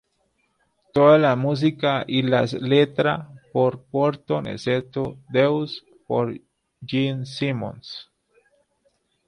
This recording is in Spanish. Toda la música y las letra por Quorthon, excepto "Deuce" por Gene Simmons.